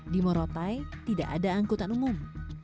di morotai tidak ada angkutan umum